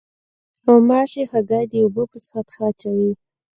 غوماشې هګۍ د اوبو په سطحه اچوي.